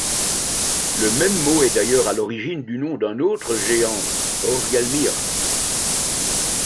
Le même mot est d'ailleurs à l'origine du nom d'un autre géant, Aurgelmir.